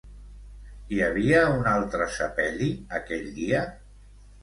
Hi havia un altre sepeli aquell dia?